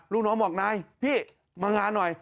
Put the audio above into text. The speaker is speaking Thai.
ลูกน้องบอกนายพี่มางานหน่อย